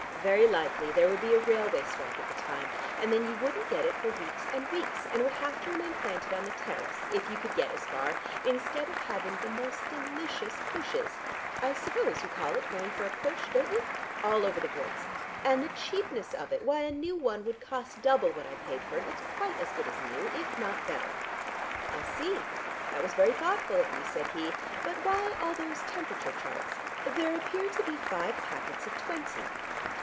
Very likely there would be a railway strike at the time, and then you wouldn't get it for weeks and weeks, and would have to remain planted on the terrace, if you could get as far, instead of having the most delicious pushes I suppose you call it going for a push, don't you? all over the woods. And the cheapness of it! Why, a new one would cost double what I paid for it, and it's quite as good as new, if not better." "I see. That was very thoughtful of you," said he. "But why all those temperature charts! There appear to be five packets of twenty."